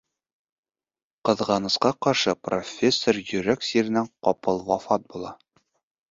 Ҡыҙғанысҡа ҡаршы, профессор йөрәк сиренән ҡапыл вафат була.